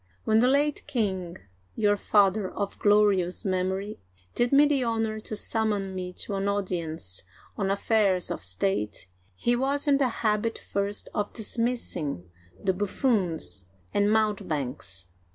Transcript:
When the late king — your father of glorious memory — did me the honor to summon me to an audience on affairs of state, he was in the habit first of dismissing the buffoons and mountebanks